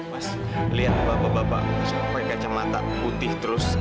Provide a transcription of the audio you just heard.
mas lihat bapak bapak pake kacamata putih terus